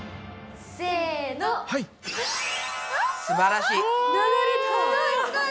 すばらしい！